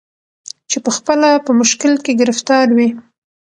چي پخپله په مشکل کي ګرفتار وي